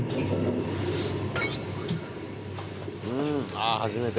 あ、初めて。